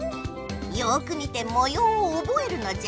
よく見てもようをおぼえるのじゃ。